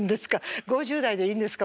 ５０代でいいんですか？